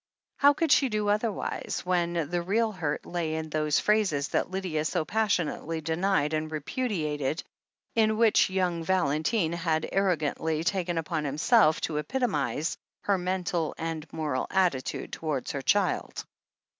How could she do otherwise, when the real hurt lay in those phrases that Lydia so passionately denied and repudiated, in which young Valentine had arrogantly taken upon himself to epitomize her mental and moral attitude towards her child